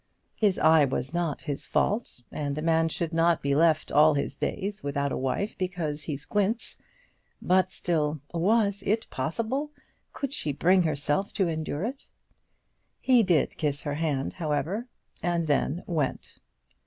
His eye was not his fault, and a man should not be left all his days without a wife because he squints; but still, was it possible? could she bring herself to endure it? He did kiss her hand, however, and then went.